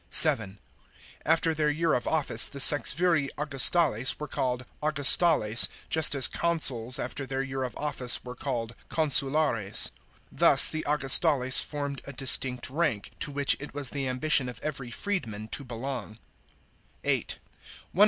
(7) After their year of office the sexviri Augustales, were called Augustales, just as consuls after their year of office were called consulares. Thus the Augustales formed a distinct rank, to which it was the ambition of every freedman to belong. (8) One of 68 ADMINISTRATION OF AUGUSTUS. CHAP.